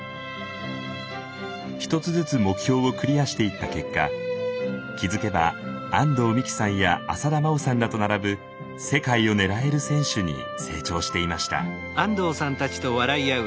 一つずつ目標をクリアしていった結果気付けば安藤美姫さんや浅田真央さんらと並ぶ世界を狙える選手に成長していました。